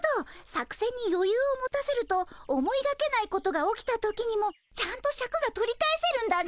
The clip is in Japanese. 作せんによゆうを持たせると思いがけないことが起きた時にもちゃんとシャクが取り返せるんだね。